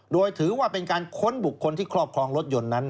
โดยถือว่าเป็นการค้นบุคคลที่ครอบครองรถยนต์นั้น